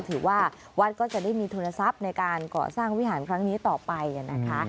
ถือว่าวัดก็จะได้มีทุนทรัพย์ในการก่อสร้างวิหารครั้งนี้ต่อไปนะคะ